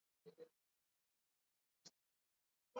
mashariki na Asia ya magharibi mwa Asia